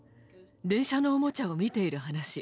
電車のおもちゃを見ている話。